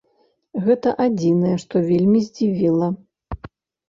Гэта адзінае, што вельмі здзівіла.